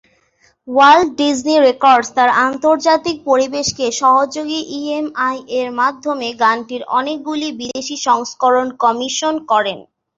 Walt Disney Records তার আন্তর্জাতিক পরিবেশক সহযোগী ইএমআই-এর মাধ্যমে গানটির অনেকগুলি বিদেশী সংস্করণ কমিশন করেন।